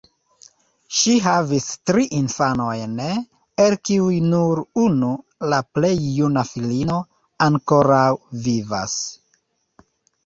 Ŝi havis tri infanojn, el kiuj nur unu, la plej juna filino, ankoraŭ vivas.